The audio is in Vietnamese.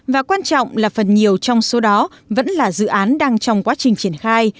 và quan trọng là phần nhiều trong số đó vẫn là dự án đang trong quá trình triển khai